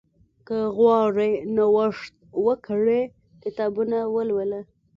که غواړې نوښت وکړې، کتابونه ولوله.